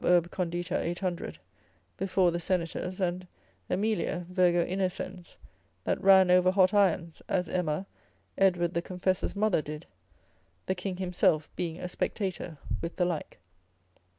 urb. condita 800._ before the senators; and Aemilia, virgo innocens, that ran over hot irons, as Emma, Edward the Confessor's mother did, the king himself being a spectator, with the like.